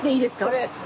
これです。